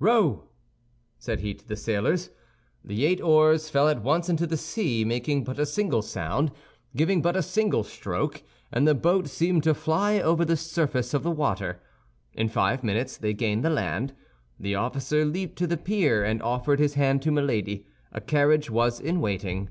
"Row!" said he to the sailors. The eight oars fell at once into the sea, making but a single sound, giving but a single stroke, and the boat seemed to fly over the surface of the water. In five minutes they gained the land. The officer leaped to the pier, and offered his hand to Milady. A carriage was in waiting.